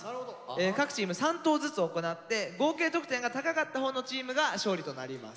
各チーム３投ずつ行って合計得点が高かったほうのチームが勝利となります。